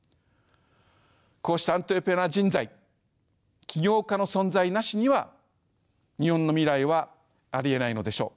こうしたアントレプレナー人材起業家の存在なしには日本の未来はありえないのでしょう。